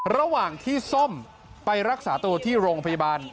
ระหว่างที่ส้มไปรักษาตัวที่โรงพยาบาล